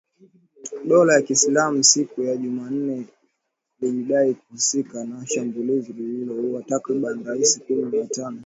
Dola ya Kiislamu siku ya Jumanne lilidai kuhusika na shambulizi lililoua takribani raia kumi na watano